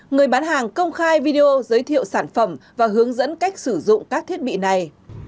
người bán hàng công khai video giới thiệu sản phẩm và hướng dẫn cách sử dụng các thiết bị này